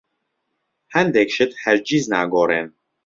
هەندێک شت هەرگیز ناگۆڕێن.